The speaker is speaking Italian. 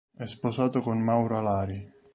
È sposato con Maura Lari.